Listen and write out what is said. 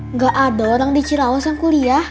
nggak ada orang di cirawas yang kuliah